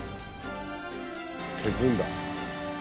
削るんだ。